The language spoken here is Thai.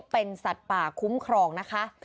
เป็นสัตว์ป่าคุ้มครองนะคะ